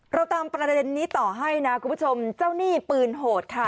เราตามประเด็นนี้ต่อให้นะคุณผู้ชมเจ้าหนี้ปืนโหดค่ะ